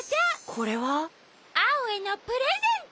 これは？アオへのプレゼント！